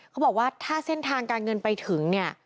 เขาบอกว่าถ้าเส้นทางการเงินไปถึงเนี่ย